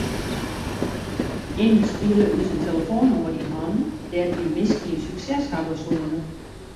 Immen spile ús in telefoannûmer yn hannen dêr't wy miskien sukses hawwe soene.